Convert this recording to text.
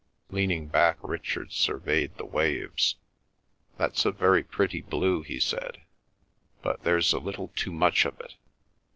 Leaning back, Richard surveyed the waves. "That's a very pretty blue," he said. "But there's a little too much of it.